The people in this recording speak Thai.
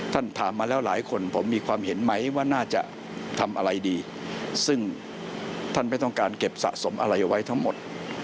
ถามมาแล้วหลายคนผมมีความเห็นไหมว่าน่าจะทำอะไรดีซึ่งท่านไม่ต้องการเก็บสะสมอะไรไว้ทั้งหมด